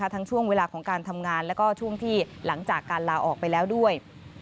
ช่วงเวลาของการทำงานแล้วก็ช่วงที่หลังจากการลาออกไปแล้วด้วย